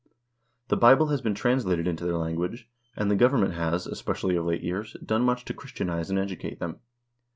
The Bible has been translated into their language, and the government has, especially of late years, done much to Christianize and educate them.